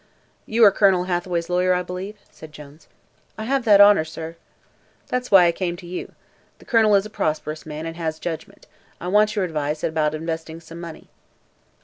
"You are Colonel Hathaway's lawyer, I believe?" said Jones. "I have that honor, sir." "That's why I came to you. The Colonel is a prosperous man and has judgment. I want your advice about investing some money."